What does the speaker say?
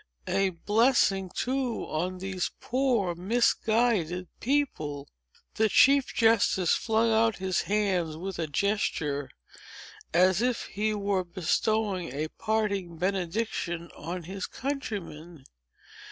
A blessing, too, on these poor, misguided people!" The chief justice flung out his hands with a gesture, as if he were bestowing a parting benediction on his countrymen.